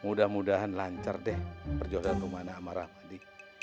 mudah mudahan lancar deh berjodoh ke rumah anak sama rahmadi